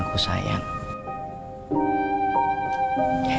aku janji akan ngebahagiain orang yang aku sayang